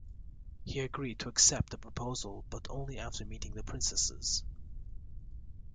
He agreed to accept the proposal, but only after meeting the princesses.